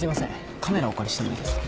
カメラお借りしてもいいですか？